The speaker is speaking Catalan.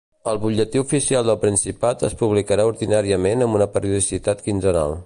El Butlletí Oficial del Principat es publicarà ordinàriament amb una periodicitat quinzenal.